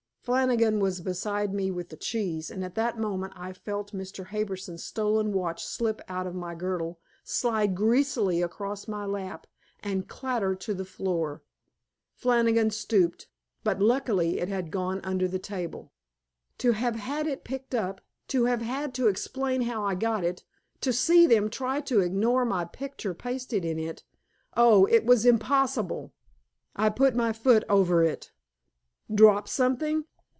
Flannigan was beside me with the cheese. And at that moment I felt Mr. Harbison's stolen watch slip out of my girdle, slide greasily across my lap, and clatter to the floor. Flannigan stooped, but luckily it had gone under the table. To have had it picked up, to have had to explain how I got it, to see them try to ignore my picture pasted in it oh, it was impossible! I put my foot over it. "Drop something?"